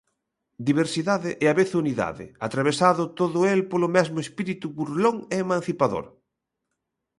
Diversidade e á vez unidade, atravesado todo el polo mesmo espírito burlón e emancipador.